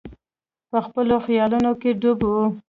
په خپلو خیالونو کې ډوب وو.